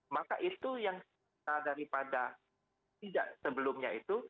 maka itu yang daripada tidak sebelumnya itu